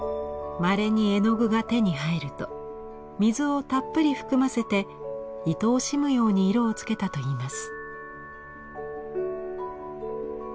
まれに絵の具が手に入ると水をたっぷり含ませていとおしむように色をつけたといいます。